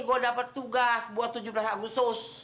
gue dapat tugas buat tujuh belas agustus